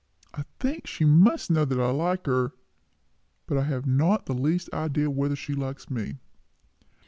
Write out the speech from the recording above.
I think she must know I like her but I have not the least idea whether she likes me."